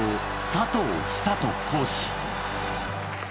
佐藤講師